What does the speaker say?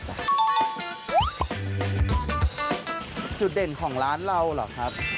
จุดเด่นของร้านเราเหรอครับ